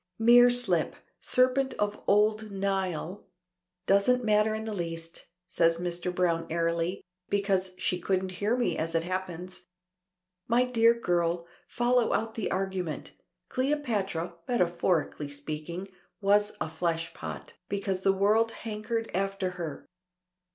"Mere slip. Serpent of old Nile. Doesn't matter in the least," says Mr. Browne airily, "because she couldn't hear me as it happens. My dear girl, follow out the argument. Cleopatra, metaphorically speaking, was a fleshpot, because the world hankered after her.